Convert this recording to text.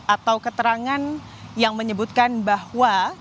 atau keterangan yang menyebutkan bahwa